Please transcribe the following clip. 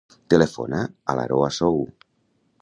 Telefona a l'Aroa Sow.